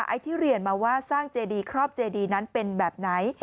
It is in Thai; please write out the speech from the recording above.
ไอ้ที่เรียนมาว่าสร้างเจดีครอบเจดีนั้นเป็นแบบไหน